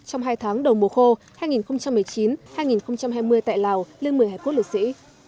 trong hai tháng đầu mùa khô hai nghìn một mươi chín hai nghìn hai mươi tại lào lên một mươi hải quốc liệt sĩ